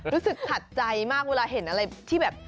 รู้สึกขัดใจมากเวลาเห็นอะไรที่แบบ